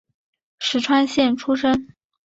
石川县出身。